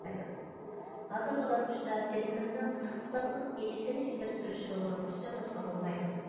ھازىرقى باسقۇچتا، سېلىنمىنىڭ ئىقتىسادنىڭ ئېشىشىنى ئىلگىرى سۈرۈش رولىنى بوش چاغلاشقا بولمايدۇ.